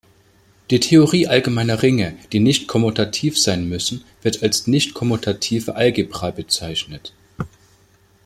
Die Theorie allgemeiner Ringe, die nicht kommutativ sein müssen, wird als nichtkommutative Algebra bezeichnet.